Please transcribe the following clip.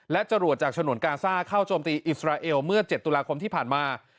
และจรวดจากฉนวนกาซ่าเข้าโจมตีอิสราเอลเมื่อ๗ตุลาคมที่ผ่านมา